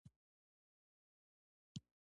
بادرنګ له کیمیاوي موادو خالي دی.